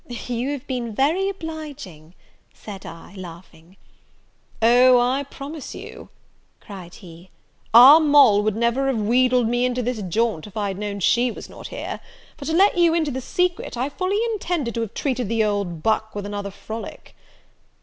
"You have been very obliging!" said I, laughing. "O, I promise you," cried he, "our Moll would never have wheedled me into this jaunt, if I'd known she was not here; for, to let you into the secret, I fully intended to have treated the old buck with another frolic."